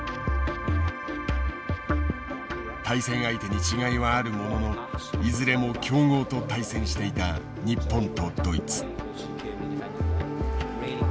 対戦相手に違いはあるもののいずれも強豪と対戦していた日本とドイツ。